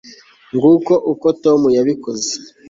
nguko uko tom yabikoze